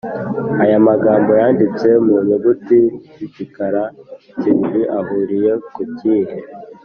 Aya magambo yanditse mu nyuguti z igikara tsiriri ahuriye ku kihe